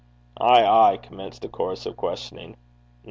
'Ay! ay!' commenced a chorus of questioning.